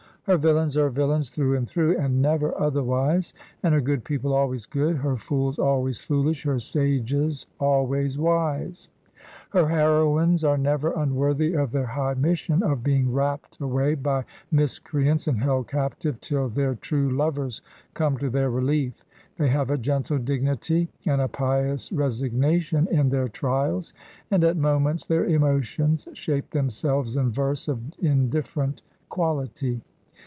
Her villains are villains through and through, and never otherwise, and her good people always good, her fools always fooUsh, her sages always wise. Her heroines are never imworthy of their high mission of being rapt away by miscreants and held captive till their true lovers come to their reHef . They have a gentle dignity, and a pious resignation in their trials, and at moments their emotions shape themselves in verse of indifferent quality.